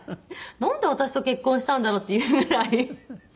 なんで私と結婚したんだろうっていうぐらい。